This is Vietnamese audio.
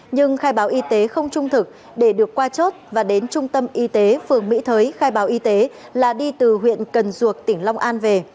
nhưng khai báo y tế không trung thực để được qua chốt và đến trung tâm y tế phường mỹ thới khai báo y tế là đi từ huyện cần duộc tỉnh long an về